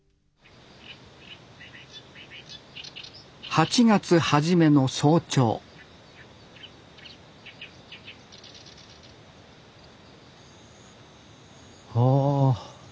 ８月初めの早朝おお。